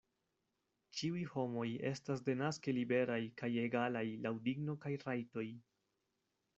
Ĉiuj homoj estas denaske liberaj kaj egalaj laŭ digno kaj rajtoj.